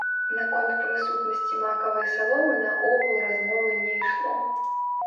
Наконт прысутнасці макавай саломы наогул размовы не ішло.